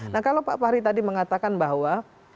nah kalau pak fahri tadi mengatakan bahwa